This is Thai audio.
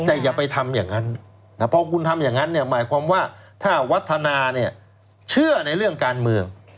แต่อย่าไปทำอย่างนั้นเพราะว่าคุณทำอย่างนั้นหมายความว่าถ้าวัฒนาเชื่อในเรื่องการเมือง